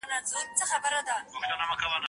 پر پردۍ خاوره بوډا سوم په پردي ګور کي ښخېږم